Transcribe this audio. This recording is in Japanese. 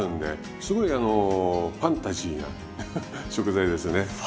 すごいあのファンタジーな食材ですよね。